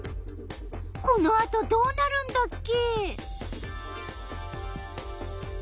このあとどうなるんだっけ？